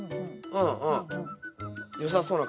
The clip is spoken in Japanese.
うんうん。